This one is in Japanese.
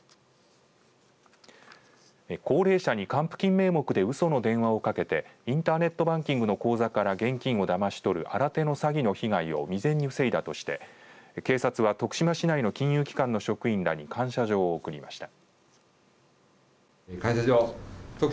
高齢者に還付金名目で、うその電話をかけてインターネットバンキングの口座から現金をだまし取る新手の詐欺の事件を未然に防いだとして徳島市内の金融機関に感謝状を贈りました。